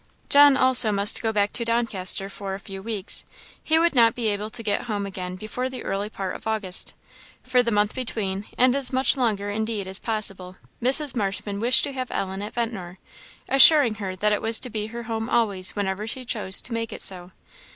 John also must go back to Doncaster for a few weeks; he would not be able to get home again before the early part of August. For the month between, and as much longer, indeed, as possible, Mrs. Marshman wished to have Ellen at Ventnor; assuring her that it was to be her home always whenever she chose to make it so.